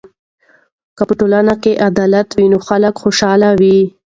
که په ټولنه کې عدالت وي نو خلک خوشحاله وي.